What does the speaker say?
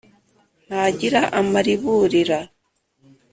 ntagira amariburira,